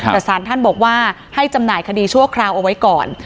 แต่สารท่านบอกว่าให้จำหน่ายคดีชั่วคราวเอาไว้ก่อน